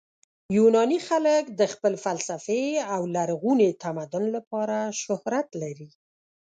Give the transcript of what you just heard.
یوناني خلک د خپل فلسفې او لرغوني تمدن لپاره شهرت لري.